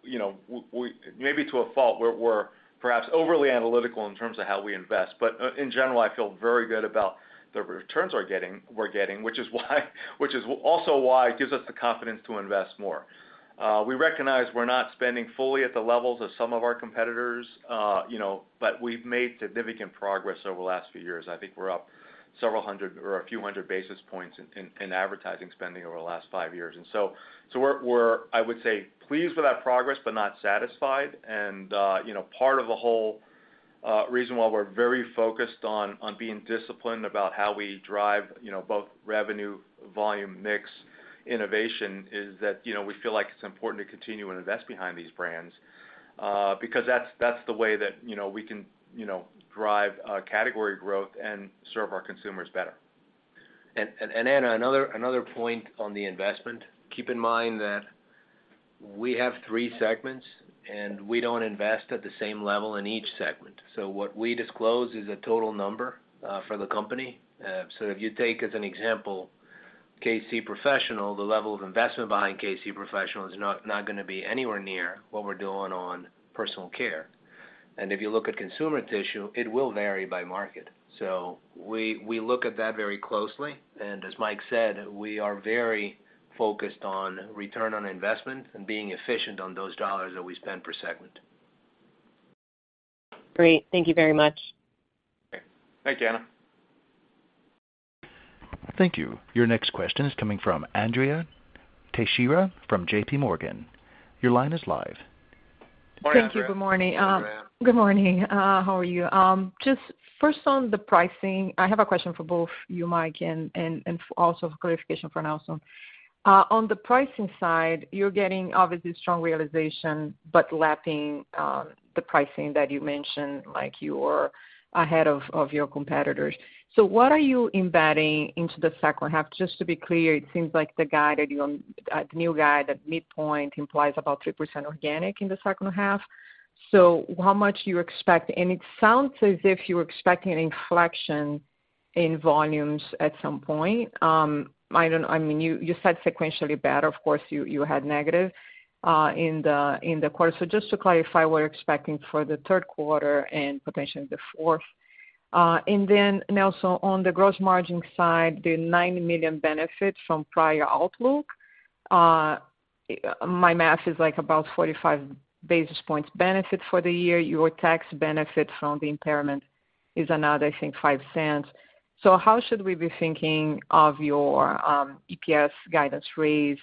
you know, we maybe to a fault, we're perhaps overly analytical in terms of how we invest, but in general, I feel very good about the returns we're getting, which is why, which is also why it gives us the confidence to invest more. We recognize we're not spending fully at the levels of some of our competitors, you know, but we've made significant progress over the last few years. I think we're up several hundred or a few hundred basis points in advertising spending over the last five years. So we're, I would say, pleased with that progress, but not satisfied. Part of the whole reason why we're very focused on being disciplined about how we drive, you know, both revenue, volume, mix, innovation is that, you know, we feel like it's important to continue and invest behind these brands, because that's the way that, you know, we can, you know, drive category growth and serve our consumers better. Anna, another point on the investment, keep in mind that we have three segments, and we don't invest at the same level in each segment. What we disclose is a total number for the company. If you take as an example, Kimberly-Clark Professional, the level of investment behind Kimberly-Clark Professional is not going to be anywhere near what we're doing on personal care. If you look at consumer tissue, it will vary by market. We look at that very closely, as Mike said, we are very focused on return on investment and being efficient on those dollars that we spend per segment. Great. Thank you very much. Thanks, Anna. Thank you. Your next question is coming from Andrea Teixeira from JPMorgan. Your line is live. Good morning, Andrea. Thank you. Good morning. Good morning, Andrea. Good morning. How are you? Just first on the pricing, I have a question for both you, Mike, and also for clarification for Nelson. On the pricing side, you're getting obviously strong realization, but lapping the pricing that you mentioned, like you were ahead of your competitors. What are you embedding into the second half? Just to be clear, it seems like the guide the new guide, that midpoint implies about 3% organic in the second half. How much you expect? It sounds as if you're expecting an inflection in volumes at some point. I mean, you said sequentially better. Of course, you had negative in the quarter. Just to clarify, we're expecting for the Q3 and potentially the Q4. Nelson, on the gross margin side, the $90 million benefit from prior outlook, my math is like about 45 basis points benefit for the year. Your tax benefit from the impairment is another, I think, $0.05. How should we be thinking of your EPS guidance raise?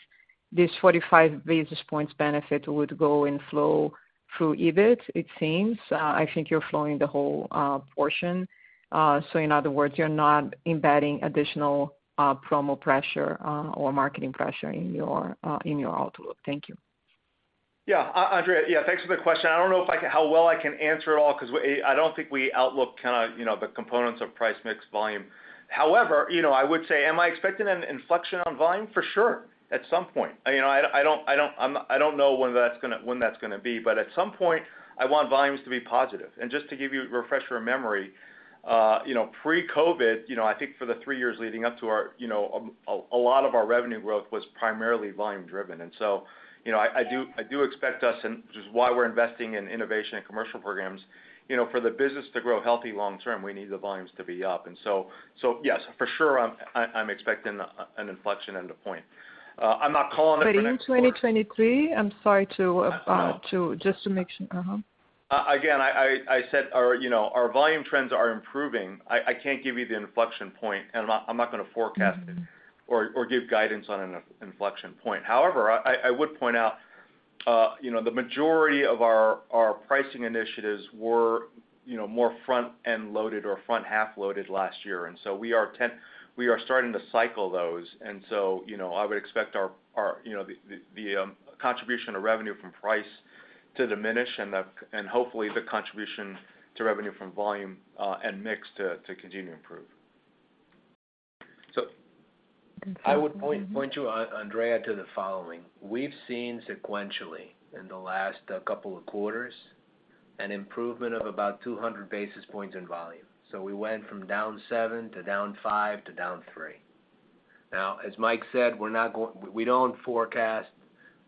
This 45 basis points benefit would go in flow through EBIT, it seems. I think you're flowing the whole portion. In other words, you're not embedding additional promo pressure or marketing pressure in your outlook. Thank you. Andrea, yeah, thanks for the question. I don't know if I can how well I can answer it all, because I don't think we outlook kind of, you know, the components of price, mix, volume. You know, I would say, am I expecting an inflection on volume? For sure, at some point. You know, I don't know when that's going to be, but at some point, I want volumes to be positive. Just to give you a refresher memory, you know, pre-COVID, you know, I think for the three years leading up to our, you know, a lot of our revenue growth was primarily volume driven. You know, I do expect us, and which is why we're investing in innovation and commercial programs, you know, for the business to grow healthy long term, we need the volumes to be up. So yes, for sure, I'm expecting an inflection at a point. I'm not calling it the next quarter. In 2023? I'm sorry to just make sure. Uh-huh. Again, I said our, you know, our volume trends are improving. I can't give you the inflection point, and I'm not going to forecast it or give guidance on an inflection point. However, I would point out, you know, the majority of our pricing initiatives were, you know, more front-end loaded or front-half loaded last year, and so we are starting to cycle those. You know, I would expect our, you know, the contribution of revenue from price to diminish and hopefully, the contribution to revenue from volume and mix to continue to improve. I would point you, Andrea, to the following: We've seen sequentially in the last couple of quarters, an improvement of about 200 basis points in volume. We went from down 7 to down 5, to down 3. As Mike said, we don't forecast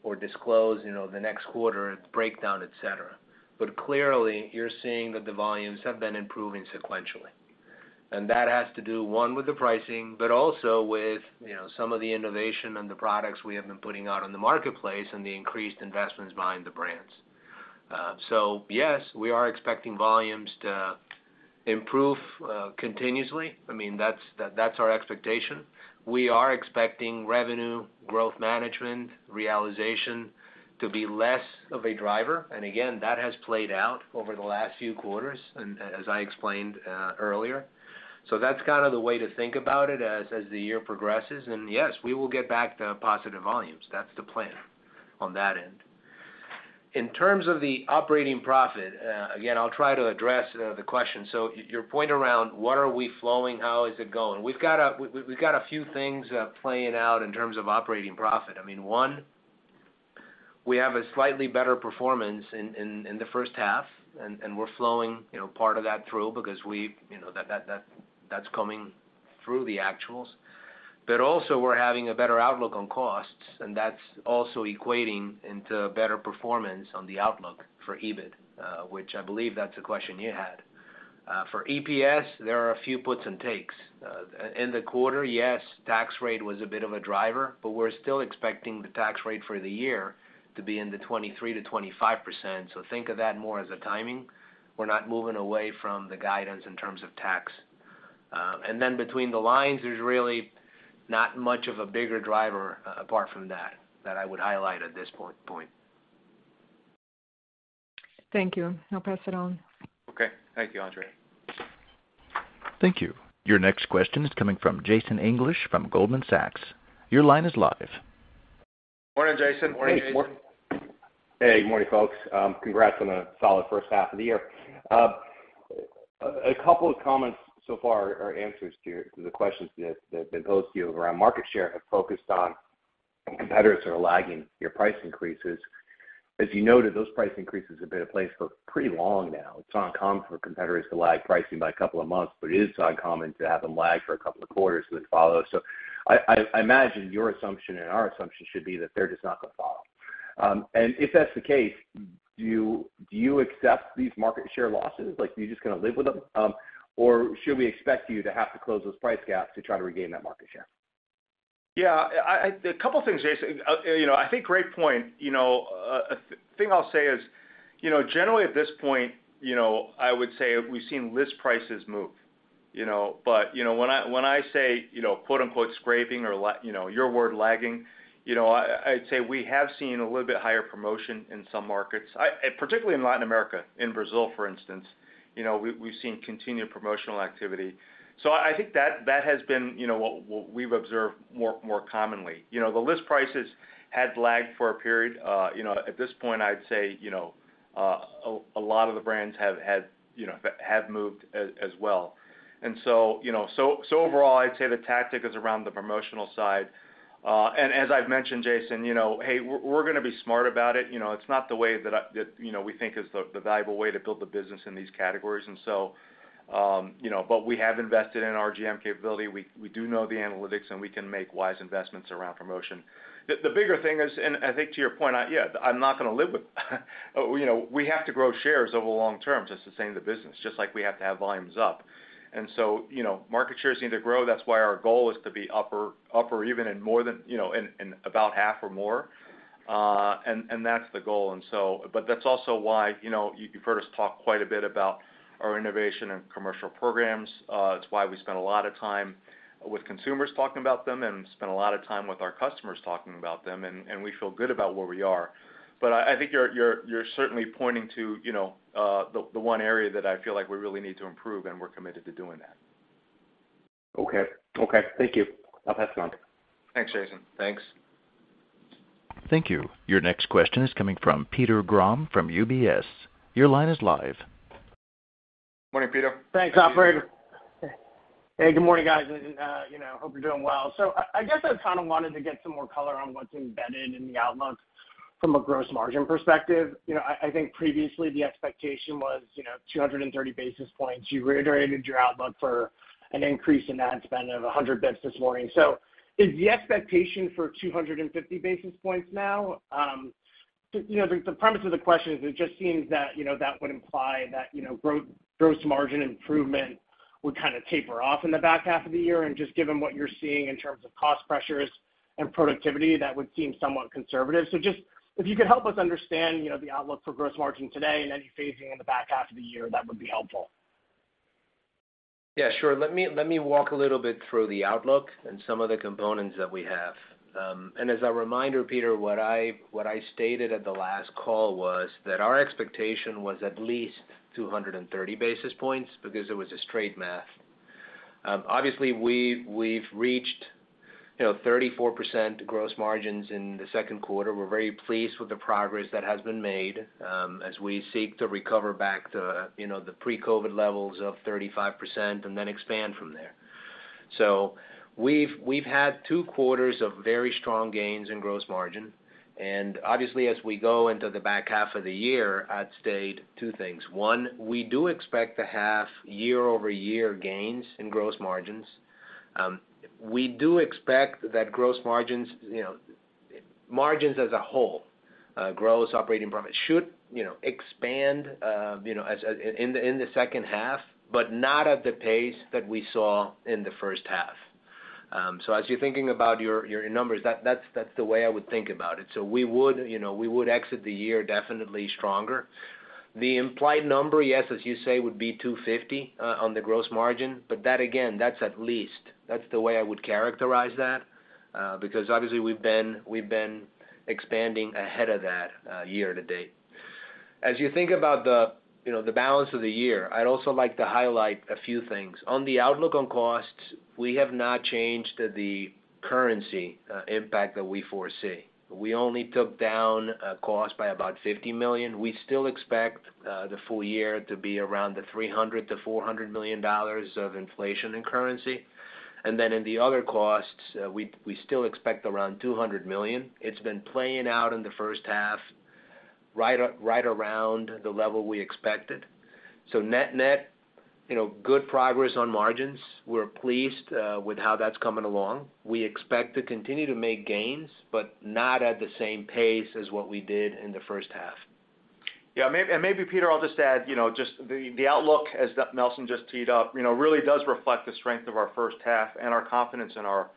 or disclose, you know, the next quarter breakdown, et cetera. Clearly, you're seeing that the volumes have been improving sequentially. That has to do, one, with the pricing, but also with, you know, some of the innovation and the products we have been putting out in the marketplace and the increased investments behind the brands. Yes, we are expecting volumes to improve continuously. I mean, that's our expectation. We are expecting revenue growth management realization to be less of a driver. Again, that has played out over the last few quarters, and as I explained earlier. That's kind of the way to think about it as the year progresses. Yes, we will get back to positive volumes. That's the plan on that end. In terms of the operating profit, again, I'll try to Andrex the question. Your point around what are we flowing, how is it going? We've got a few things playing out in terms of operating profit. I mean, one, we have a slightly better performance in the first half, and we're flowing, you know, part of that through, because we've, you know, that's coming through the actuals. Also, we're having a better outlook on costs, and that's also equating into better performance on the outlook for EBIT, which I believe that's a question you had. For EPS, there are a few puts and takes. In the quarter, yes, tax rate was a bit of a driver, but we're still expecting the tax rate for the year to be in the 23%-25%. Think of that more as a timing. We're not moving away from the guidance in terms of tax. Between the lines, there's really not much of a bigger driver apart from that I would highlight at this point. Thank you. I'll pass it on. Okay. Thank you, Andrea. Thank you. Your next question is coming from Jason English from Goldman Sachs. Your line is live. Morning, Jason. Morning, Jason. Hey, good morning, folks. Congrats on a solid h1. A couple of comments so far or answers to the questions that have been posed to you around market share have focused on competitors that are lagging your price increases. As you noted, those price increases have been in place for pretty long now. It's uncommon for competitors to lag pricing by a couple of months, but it is uncommon to have them lag for a couple of quarters that follow. I imagine your assumption and our assumption should be that they're just not going to follow. If that's the case, do you accept these market share losses? Like, you're just going to live with them, or should we expect you to have to close those price gaps to try to regain that market share? Yeah, I. A couple of things, Jason. You know, I think great point. You know, a thing I'll say is, you know, generally, at this point, you know, I would say we've seen list prices move, you know. When I say, you know, quote, unquote, "scraping" or you know, your word lagging, you know, I'd say we have seen a little bit higher promotion in some markets. Particularly in Latin America, in Brazil, for instance, you know, we've seen continued promotional activity. I think that has been, you know, what we've observed more commonly. You know, the list prices had lagged for a period. You know, at this point, I'd say a lot of the brands have moved as well. You know, so overall, I'd say the tactic is around the promotional side. As I've mentioned, Jason, you know, hey, we're going to be smart about it. You know, it's not the way that I, you know, we think is the valuable way to build the business in these categories. You know, but we have invested in our GM capability. We do know the analytics, and we can make wise investments around promotion. The bigger thing is, and I think to your point, I'm not going to live with, you know, we have to grow shares over long term to sustain the business, just like we have to have volumes up. You know, market shares need to grow. That's why our goal is to be upper even in more than, you know, in about half or more. That's the goal. That's also why, you know, you've heard us talk quite a bit about our innovation and commercial programs. It's why we spend a lot of time with consumers talking about them and spend a lot of time with our customers talking about them, and we feel good about where we are. I think you're certainly pointing to, you know, the one area that I feel like we really need to improve, and we're committed to doing that. Okay. Okay, thank you. I'll pass it on. Thanks, Jason. Thanks. Thank you. Your next question is coming from Peter Grom from UBS. Your line is live. Morning, Peter. Thanks, operator. Hey, good morning, guys, you know, hope you're doing well. I guess I kind of wanted to get some more color on what's embedded in the outlook from a gross margin perspective. You know, I think previously the expectation was, you know, 230 basis points. You reiterated your outlook for an increase in ad spend of 100 basis points this morning. Is the expectation for 250 basis points now? You know, the premise of the question is, it just seems that, you know, that would imply that, you know, gross margin improvement would kind of taper off in the back half of the year, and just given what you're seeing in terms of cost pressures and productivity, that would seem somewhat conservative. Just if you could help us understand, you know, the outlook for gross margin today and any phasing in the back half of the year, that would be helpful. Yeah, sure. Let me walk a little bit through the outlook and some of the components that we have. As a reminder, Peter, what I stated at the last call was that our expectation was at least 230 basis points because it was a straight math. Obviously, we've reached, you know, 34% gross margins in the Q2. We're very pleased with the progress that has been made as we seek to recover back to, you know, the pre-COVID levels of 35% and then expand from there. We've had 2 quarters of very strong gains in gross margin. Obviously, as we go into the back half of the year, I'd state two things: one, we do expect to have year-over-year gains in gross margins. We do expect that gross margins, you know, margins as a whole, gross operating profit, should, you know, expand, you know, as, in the, in the second half, but not at the pace that we saw in the first half. As you're thinking about your numbers, that's the way I would think about it. We would, you know, exit the year definitely stronger. The implied number, yes, as you say, would be 250 on the gross margin, but that again, that's at least. That's the way I would characterize that, because obviously, we've been expanding ahead of that year to date. As you think about the, you know, the balance of the year, I'd also like to highlight a few things. On the outlook on costs, we have not changed the currency impact that we foresee. We only took down cost by about $50 million. We still expect the full year to be around the $300 million-$400 million of inflation and currency. In the other costs, we still expect around $200 million. It's been playing out in the first half, right around the level we expected. Net, net, you know, good progress on margins. We're pleased with how that's coming along. We expect to continue to make gains, but not at the same pace as what we did in the first half. Yeah, maybe, Peter, I'll just add, you know, just the outlook as Nelson just teed up, you know, really does reflect the strength of our first half and our confidence in our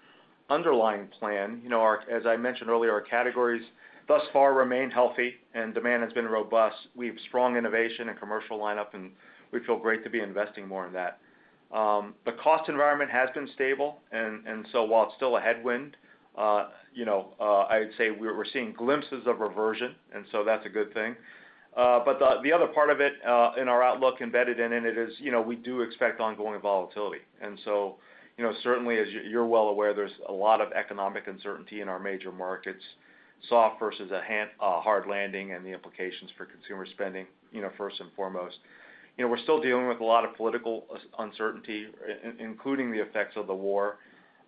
underlying plan. You know, as I mentioned earlier, our categories thus far remain healthy, and demand has been robust. We have strong innovation and commercial lineup, and we feel great to be investing more in that. The cost environment has been stable, and so while it's still a headwind, you know, I'd say we're seeing glimpses of reversion, and so that's a good thing. The other part of it, in our outlook embedded in it is, you know, we do expect ongoing volatility. Certainly, you know, as you're well aware, there's a lot of economic uncertainty in our major markets, soft versus a hard landing and the implications for consumer spending, you know, first and foremost. We're still dealing with a lot of political uncertainty, including the effects of the war.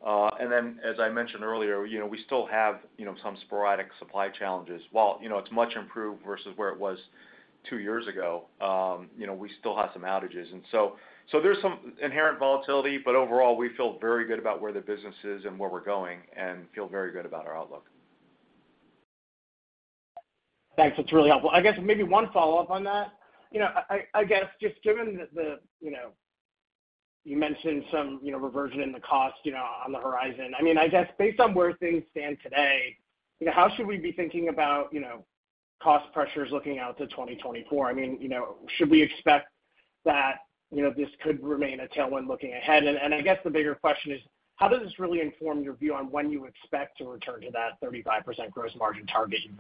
Then, as I mentioned earlier, you know, we still have, you know, some sporadic supply challenges. While, you know, it's much improved versus where it was two years ago, you know, we still have some outages. So there's some inherent volatility, but overall, we feel very good about where the business is and where we're going and feel very good about our outlook. Thanks. That's really helpful. I guess maybe one follow-up on that. You know, I guess just given that the. You mentioned some, you know, reversion in the cost, you know, on the horizon. I mean, I guess based on where things stand today, you know, how should we be thinking about, you know, cost pressures looking out to 2024? I mean, you know, should we expect that, you know, this could remain a tailwind looking ahead? I guess the bigger question is, how does this really inform your view on when you expect to return to that 35% gross margin target you've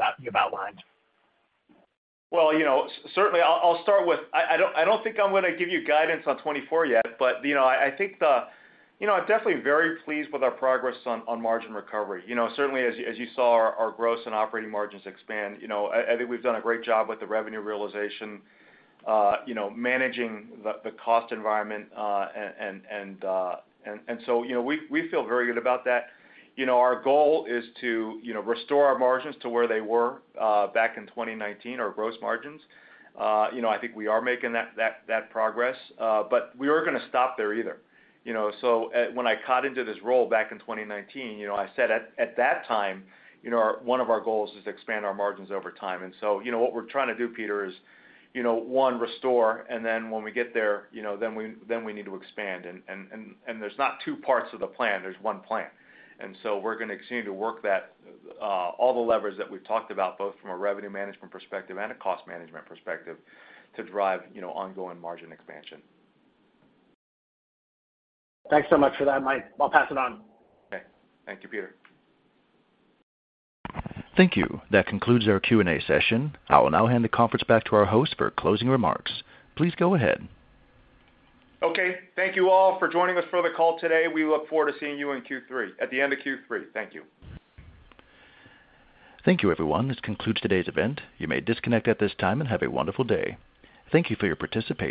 outlined? Well, you know, certainly, I'll start with, I don't think I'm going to give you guidance on 2024 yet, but, you know, I think. You know, I'm definitely very pleased with our progress on margin recovery. You know, certainly as you saw, our gross and operating margins expand, you know, I think we've done a great job with the revenue realization, you know, managing the cost environment, and so, you know, we feel very good about that. You know, our goal is to, you know, restore our margins to where they were back in 2019, our gross margins. You know, I think we are making that progress, but we aren't going to stop there either. You know, so, when I got into this role back in 2019, you know, I said at that time, you know, one of our goals is to expand our margins over time. You know, what we're trying to do, Peter, is, you know, one, restore, and then when we get there, you know, then we need to expand. There's not two parts of the plan, there's one plan. We're going to continue to work that, all the levers that we've talked about, both from a revenue management perspective and a cost management perspective, to drive, you know, ongoing margin expansion. Thanks so much for that, Mike. I'll pass it on. Okay. Thank you, Peter. Thank you. That concludes our Q&A session. I will now hand the conference back to our host for closing remarks. Please go ahead. Okay. Thank you all for joining us for the call today. We look forward to seeing you in Q3, at the end of Q3. Thank you. Thank you, everyone. This concludes today's event. You may disconnect at this time, and have a wonderful day. Thank you for your participation.